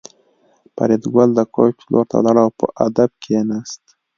فریدګل د کوچ لور ته لاړ او په ادب کېناست